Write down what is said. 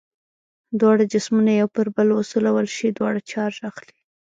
دواړه جسمونه یو پر بل وسولول شي دواړه چارج اخلي.